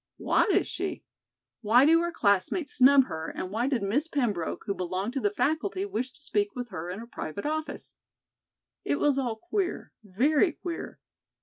What is she? Why do her classmates snub her and why did Miss Pembroke, who belonged to the faculty, wish to speak with her in her private office?" It was all queer, very queer.